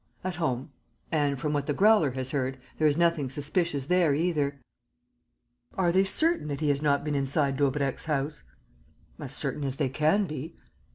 "At home. And, from what the Growler has heard, there is nothing suspicious there either." "Are they certain that he has not been inside Daubrecq's house?" "As certain as they can be."